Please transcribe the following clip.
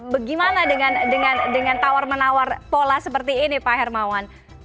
bagaimana dengan tawar menawar pola seperti ini pak hermawan